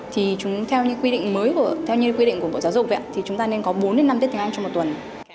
thì chúng theo những quy định mới của giáo dục thì chúng ta nên có bốn năm tiết tiếng anh trong một tuần